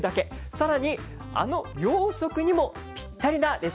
更にあの洋食にもぴったりなレシピです。